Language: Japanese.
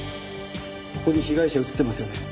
ここに被害者映ってますよね？